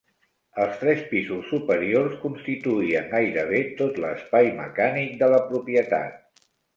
Els tres pisos superiors constituïen gairebé tot l'espai mecànic de la propietat.